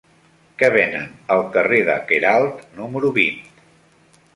Què venen al carrer de Queralt número vint?